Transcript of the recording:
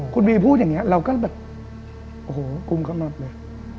คุณบีพูดอย่างนี้เราก็แบบโอ้โหกลุ่มกำหนดเลย